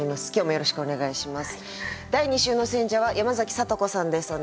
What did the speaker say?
よろしくお願いします。